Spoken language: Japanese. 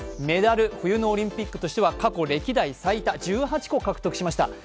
メダル、冬のオリンピックとしては歴代過去最多、１８個獲得しました。